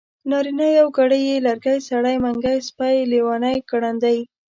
نارينه يوګړی ی لرګی سړی منګی سپی لېوانی ګړندی